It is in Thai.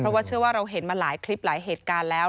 เพราะว่าเชื่อว่าเราเห็นมาหลายคลิปหลายเหตุการณ์แล้ว